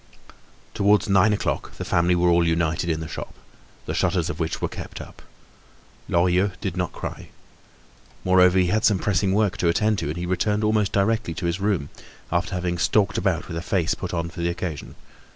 Towards nine o'clock the family were all united in the shop, the shutters of which were kept up. Lorilleux did not cry. Moreover he had some pressing work to attend to, and he returned almost directly to his room, after having stalked about with a face put on for the occasion.